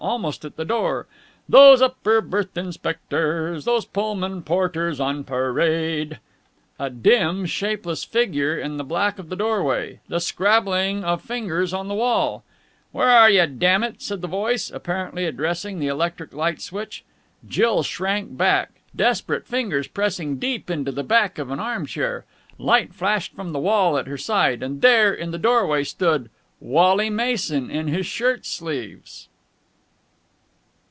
Almost at the door. "Those upper berth inspectors, Those Pullman porters on parade!" A dim, shapeless figure in the black of the doorway. The scrabbling of fingers on the wall. "Where are you, dammit?" said the voice, apparently addressing the electric light switch. Jill shrank back, desperate fingers pressing deep into the back of an arm chair. Light flashed from the wall at her side. And there, in the doorway, stood Wally Mason in his shirt sleeves.